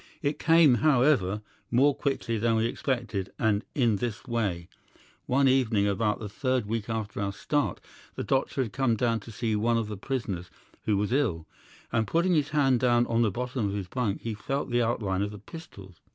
It came, however, more quickly than we expected, and in this way. "'One evening, about the third week after our start, the doctor had come down to see one of the prisoners who was ill, and putting his hand down on the bottom of his bunk he felt the outline of the pistols.